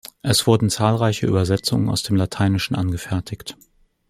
Es wurden zahlreiche Übersetzungen aus dem Lateinischen angefertigt.